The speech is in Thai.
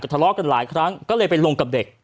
ทะเลาะกันหลายครั้งก็เลยไปลงกับเด็ก